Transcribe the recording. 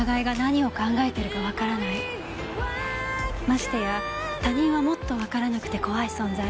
ましてや他人はもっとわからなくて怖い存在。